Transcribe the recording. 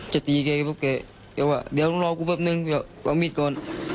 จะตีเขาเขาก็มาว่าเดี๋ยวลองรอกูเพิ่มนึงออกมีดหน่อยก่อน